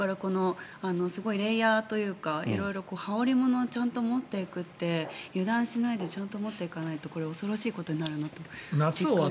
すごいレイヤーというか羽織物を持っていくというか油断しないでちゃんと持っていかないと恐ろしいことになるなと。